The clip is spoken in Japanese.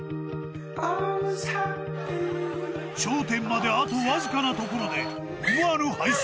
［頂点まであとわずかなところで思わぬ敗戦］